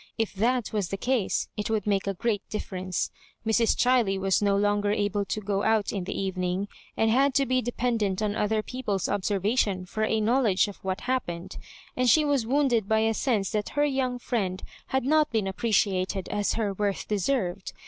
If (hat was the case^ it woiUd make a great difference. Mrs. Chiley was no longer able to go out in the evening, and had to be de pendent on other people's observation for a know ledge of what happened — and she was wounded by a sense that her young friend had not been appreciated as her worth deserved.